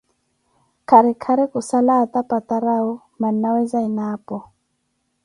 Khari khari khusala áta patarawu, mannawe Zanapo.